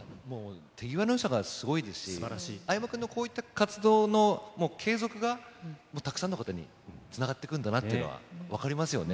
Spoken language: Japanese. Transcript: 手際のよさがすごいですし、相葉君のこういった活動の継続が、たくさんの方につながっていくんだなっていうのが分かりますよね。